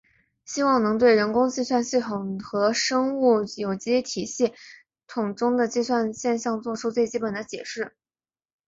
希望能对人工计算系统和生物有机体系统中的计算现象做出最基本的解释。